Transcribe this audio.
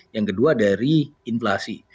yang kedua dari inflasi